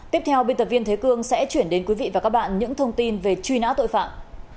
tiếp theo biên tập viên thế cương sẽ chuyển đến quý vị và các bạn những thông tin về truy nã tội phạm